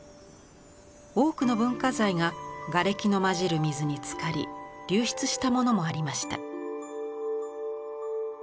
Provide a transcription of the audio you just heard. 多くの文化財ががれきのまじる水につかり流出したものもありました。